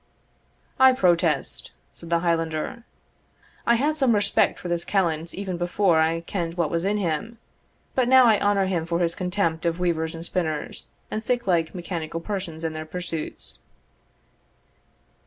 "I protest," said the Highlander, "I had some respect for this callant even before I ken'd what was in him; but now I honour him for his contempt of weavers and spinners, and sic like mechanical persons and their pursuits."